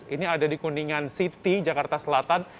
ini ada di kuningan city jakarta selatan